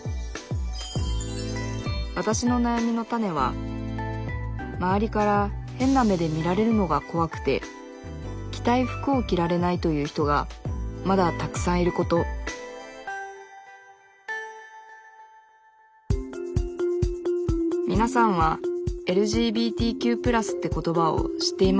わたしのなやみのタネは周りから変な目で見られるのが怖くて着たい服を着られないという人がまだたくさんいることみなさんは「ＬＧＢＴＱ＋」って言葉を知っていますか？